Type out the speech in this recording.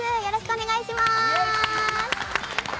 よろしくお願いします！